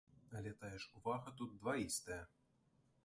Але тая ж увага тут дваістая.